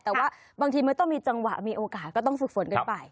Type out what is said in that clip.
แต่ว่าบางทีมันต้องมีจังหวะมีโอกาสก็ต้องฝึกฝนกันไป